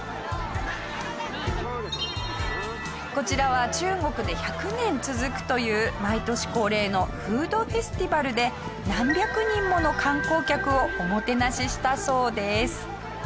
こちらは中国で１００年続くという毎年恒例のフードフェスティバルで何百人もの観光客をおもてなししたそうです。